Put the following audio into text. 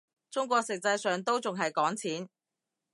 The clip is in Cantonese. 中國實際上都仲係講錢